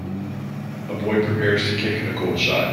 A boy prepares to kick a goal shot